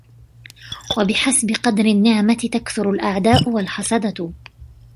وَبِحَسَبِ قَدْرِ النِّعْمَةِ تَكْثُرُ الْأَعْدَاءُ وَالْحَسَدَةُ